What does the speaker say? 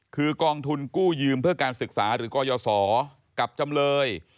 คือกองทุนกู้ยืมเพื่อการศึกษาหรือกรยศกับจำเลย